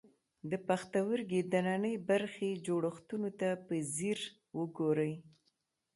د پښتورګي دننۍ برخې جوړښتونو ته په ځیر وګورئ.